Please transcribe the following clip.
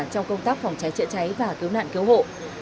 trong công tác phòng cháy chữa cháy và cứu nạn cứu hộ